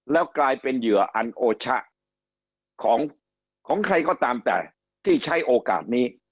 แล้วกลายเป็นเหยื่ออันโอชะของใครก็ตามแต่ที่ใช้โอกาสนี้